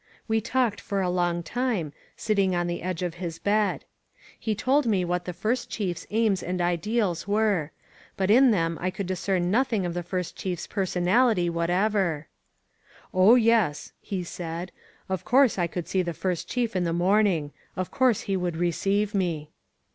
We talked for a long time, sit ting on the edge of his bed. He told me what the First Chiers aims and ideals were ; but in them I could discern nothing of the First Chiers personality what ever. •*0h, yes," he said, of course I could see the First Chief in the morning. Of course he would receive me."